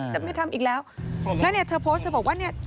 จะไม่ทำอีกแล้วแล้วเนี่ยเธอโพสต์เธอบอกว่าเนี่ย